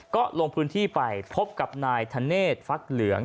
ก็ลงพื้นที่ไปพบกับนายธเนธฟักเหลือง